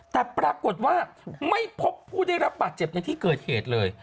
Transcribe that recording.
แต่ปรากฏว่าไม่พบผู้ได้รับบาดเจ็บในที่เกิดเหตุเลย